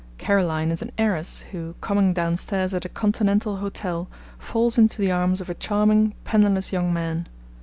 Caroline is an heiress, who, coming downstairs at a Continental hotel, falls into the arms of a charming, penniless young man.